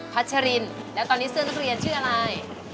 ัชรินแล้วตอนนี้เสื้อนักเรียนชื่ออะไร